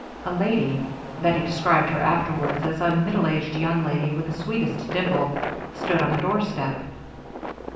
A lady Bettie described her afterwards as a "middle aged young lady with the sweetest dimple" stood on the doorstep.